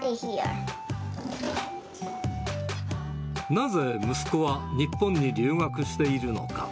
なぜ息子は日本に留学しているのか。